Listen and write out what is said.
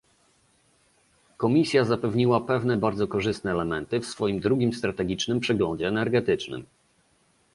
Komisja zapewniła pewne bardzo korzystne elementy w swoim drugim strategicznym przeglądzie energetycznym